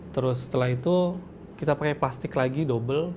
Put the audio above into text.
terus setelah itu kita pakai plastik lagi double